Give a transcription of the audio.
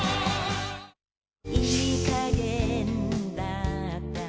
「いいかげんだった」